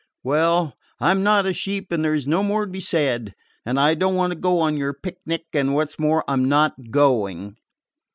Well, I 'm not a sheep, and there 's no more to be said. And I don't want to go on your picnic, and, what 's more, I 'm not going."